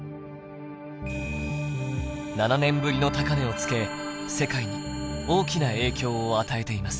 ７年ぶりの高値をつけ世界に大きな影響を与えています。